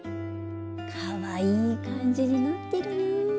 かわいい感じになってるな。